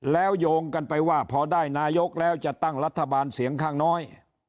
แล้วโยงกันไปว่าพอได้นายกแล้วจะตั้งรัฐบาลเสียงข้างน้อย